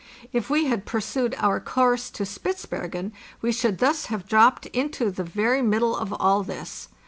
If we had pursued our course to Spitzbergen we should thus have dropped into the very middle of all this.